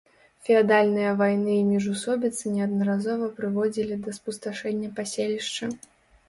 Феадальныя вайны і міжусобіцы неаднаразова прыводзілі да спусташэння паселішча.